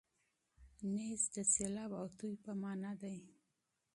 نیز د سېلاب او توی په مانا دی.